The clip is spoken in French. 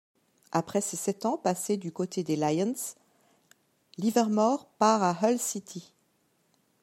Après ses sept ans passés du côté des Lions, Livermore part à Hull City.